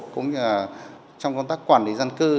cũng như trong công tác quản lý dân cư